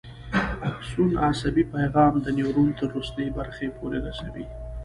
اکسون عصبي پیغام د نیورون تر وروستۍ برخې پورې رسوي.